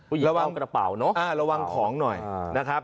อุ๊ยเยี่ยมกับกระเป๋าเนอะระวังของหน่อยนะครับ